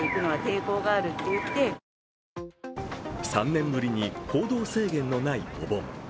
３年ぶりに行動制限のないお盆。